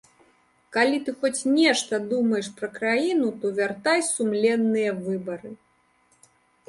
Калі ты хоць нешта думаеш пра краіну, то вяртай сумленныя выбары!